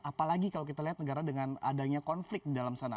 apalagi kalau kita lihat negara dengan adanya konflik di dalam sana